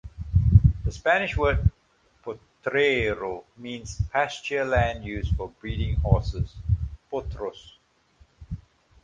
The Spanish word "potrero" means pasture land used for breeding horses ("potros").